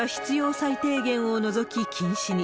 最低限を除き禁止に。